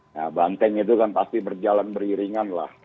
nah banteng itu kan pasti berjalan beriringan lah